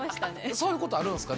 そういうことあるんですか？